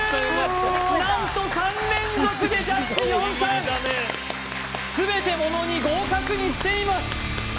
何と３連続でジャッジ４３全てものに合格にしています